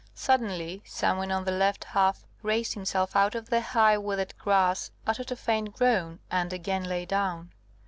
Suddenly some one on the left half raised himself out of the high withered grass, uttered a faint groan, and again lay down.